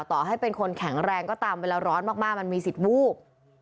ต่อให้เป็นคนแข็งแรงก็ตามเวลาร้อนมากมันมีสิทธิ์วูบ